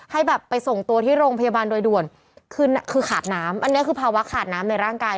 ให้แบบไปส่งตัวที่โรงพยาบาลโดยด่วนคือคือขาดน้ำอันนี้คือภาวะขาดน้ำในร่างกาย